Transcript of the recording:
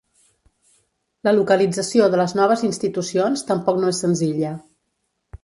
La localització de les noves institucions tampoc no és senzilla.